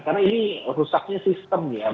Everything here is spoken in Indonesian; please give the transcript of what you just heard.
karena ini rusaknya sistem ya